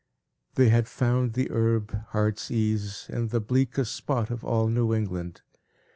They had found the "herb, heart's ease," in the bleakest spot of all New England.